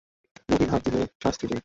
নবীন হাঁক দিলে, শাস্ত্রীজি।